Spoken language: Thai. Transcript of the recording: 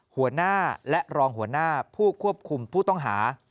หัวหน้าและรองหัวหน้าผู้ควบคุมผู้ต้องหา